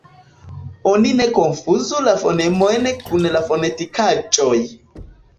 Oni ne konfuzu la fonemojn kun la fonetikaĵoj.